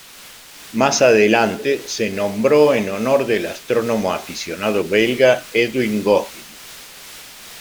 Más adelante se nombró en honor del astrónomo aficionado belga Edwin Goffin.